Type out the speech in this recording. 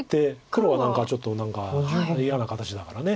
黒は何かちょっと嫌な形だから。